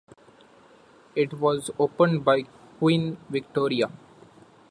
It was opened by Queen Victoria.